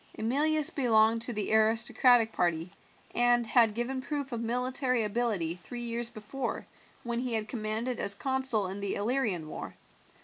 Emilius belonged to the aristocratic party, and had given proof of military ability three years before when he had commanded as consul in the Illyrian war.